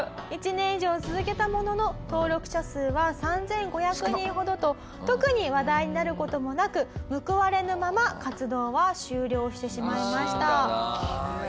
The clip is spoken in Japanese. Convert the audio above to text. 「１年以上続けたものの登録者数は３５００人ほどと特に話題になる事もなく報われぬまま活動は終了してしまいました」